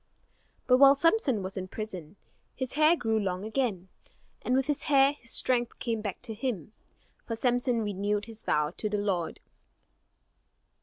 But while Samson was in prison, his hair grew long again; and with his hair his strength came back to him; for Samson renewed his vow to the Lord.